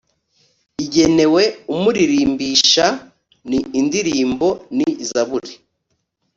igenewe umuririmbisha. ni indirimbo. ni zaburi